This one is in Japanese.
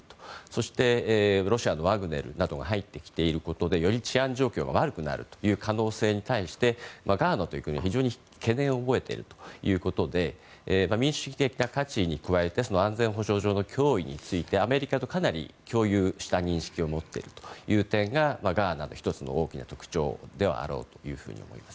そして、ロシアのワグネルなどが入ってきていることでより治安状況が悪くなるという可能性に対してガーナという国は非常に懸念を覚えているということで民主主義的な価値に加えて安全保障上の脅威についてアメリカとかなり共有した認識を持っているという点がガーナの１つの大きな特徴であろうと思います。